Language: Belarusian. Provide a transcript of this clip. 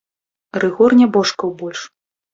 Рыгор не божкаў больш.